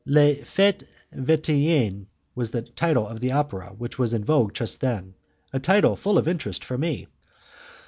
'Les Fetes Venitiennes' was the title of the opera which was in vogue just then a title full of interest for me.